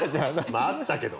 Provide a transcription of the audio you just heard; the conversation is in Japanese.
まああったけど。